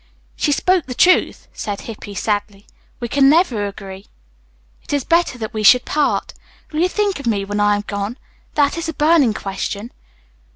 "She spoke the truth," said Hippy sadly. "We never can agree. It is better that we should part. Will you think of me, when I am gone? That is the burning question.